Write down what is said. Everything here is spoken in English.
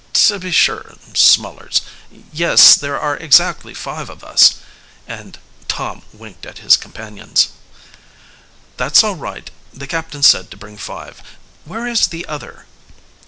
"To be sure, Smullers. Yes, there are exactly five of us," and Tom winked at his companions. "That's all right; the captain said to bring five. Where is the other?"